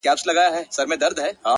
د گريوان ډورۍ ته دادی ځان ورسپاري _